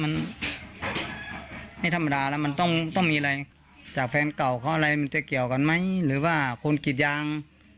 มันไม่ธรรมดาแล้วมันต้องต้องมีอะไรจากแฟนเก่าเขาอะไรมันจะเกี่ยวกันไหมหรือว่าคนกรีดยาง